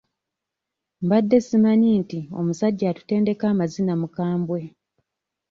Mbadde simanyi nti omusajja atutendeka amazina mukambwe.